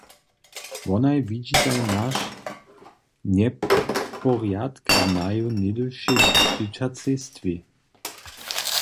Wonaj widźitaj naš njeporjadk w naju něhdyšej dźěćacej stwě.